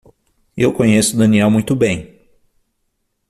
Eu conheço Daniel muito bem.